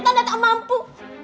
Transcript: tanda tak mampu